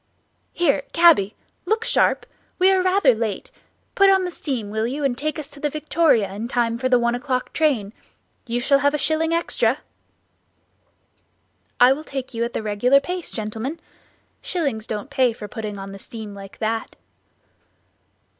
"Here, cabby! look sharp, we are rather late; put on the steam, will you, and take us to the Victoria in time for the one o'clock train? You shall have a shilling extra." "I will take you at the regular pace, gentlemen; shillings don't pay for putting on the steam like that."